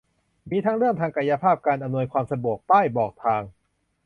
มีทั้งเรื่องทางกายภาพ การอำนวยความสะดวก ป้ายบอกทาง